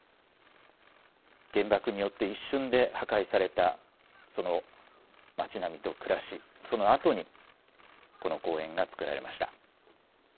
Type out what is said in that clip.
原爆によって一瞬で破壊されたその町並みと暮らし、そのあとにこの公園がつくられました。